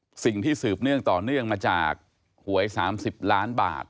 สิ่งที่สืบเนื่องต่อเนื่องมาจากหวย๓๐ล้านบาท